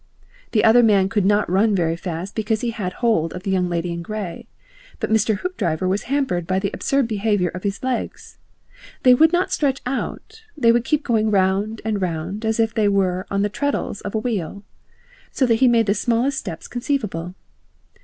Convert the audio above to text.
The other man could not run very fast because he had hold of the Young Lady in Grey, but Mr. Hoopdriver was hampered by the absurd behaviour of his legs. They would not stretch out; they would keep going round and round as if they were on the treadles of a wheel, so that he made the smallest steps conceivable.